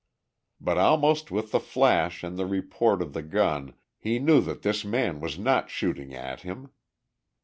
But almost with the flash and the report of the gun he knew that this man was not shooting at him.